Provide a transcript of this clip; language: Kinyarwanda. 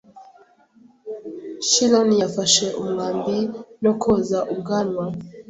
Chiron yafashe umwambi no koza ubwanwa